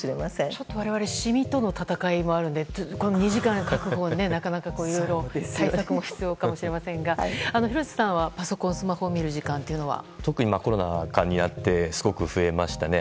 ちょっと我々は染みとの戦いもあるので２時間確保、なかなかいろいろ対策も必要かもしれませんが廣瀬さんはパソコン、スマホを見る時間というのは？特にコロナ禍になってすごく増えましたね。